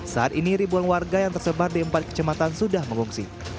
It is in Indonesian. saat ini ribuan warga yang tersebar di empat kecematan sudah mengungsi